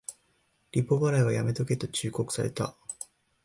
リボ払いはやめとけと忠告された